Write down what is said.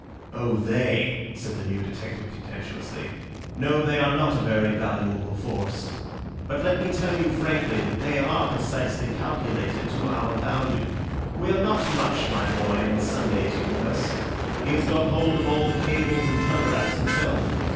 "Oh, they," said the new detective contemptuously; "no, they are not a very valuable force. But let me tell you frankly that they are precisely calculated to our value—we are not much, my boy, in Sunday's universe. He has got hold of all the cables and telegraphs himself.